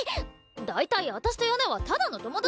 大体私とヤナはただの友達！